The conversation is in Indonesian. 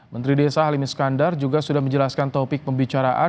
menteri desa halim iskandar juga sudah menjelaskan topik pembicaraan